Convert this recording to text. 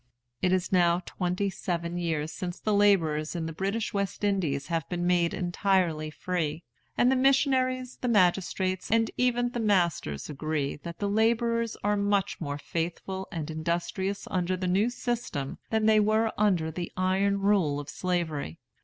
It is now twenty seven years since the laborers in the British West Indies have been made entirely free; and the missionaries, the magistrates, and even the masters agree that the laborers are much more faithful and industrious under the new system than they were under the iron rule of Slavery.